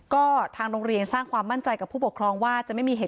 ก็ทางโรงเรียนสร้างความมั่นใจกับผู้ปกครองว่า